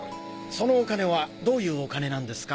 そのお金はどういうお金なんですか？